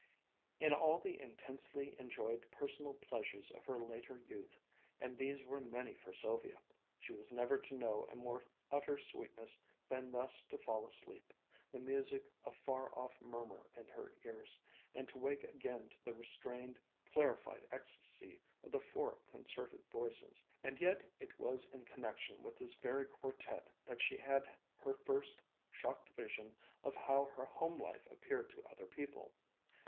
In all the intensely enjoyed personal pleasures of her later youth, and these were many for Sylvia, she was never to know a more utter sweetness than thus to fall asleep, the music a far off murmur in her ears, and to wake again to the restrained, clarified ecstasy of the four concerted voices. And yet it was in connection with this very quartet that she had her first shocked vision of how her home life appeared to other people.